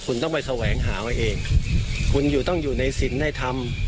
คุณต้องไปแสวงหาไว้เองคุณอยู่ต้องอยู่ในศิลป์ในธรรม